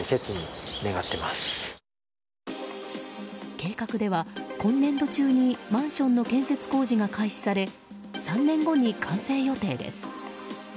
計画では、今年度中にマンションの建設工事が開始され３年後に完成予定です。